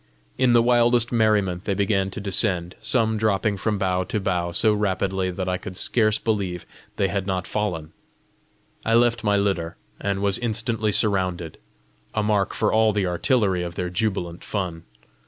In the wildest merriment they began to descend, some dropping from bough to bough so rapidly that I could scarce believe they had not fallen. I left my litter, and was instantly surrounded a mark for all the artillery of their jubilant fun.